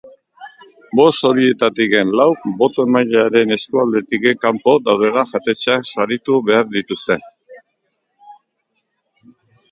Boz horietatik lauk boto-emailearen eskualdetik kanpo dauden jatetxeak saritu behar dituzte.